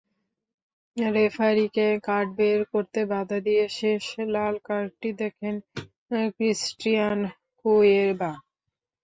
রেফারিকে কার্ড বের করতে বাধা দিয়ে শেষ লাল কার্ডটি দেখেন ক্রিস্টিয়ান কুয়েভা।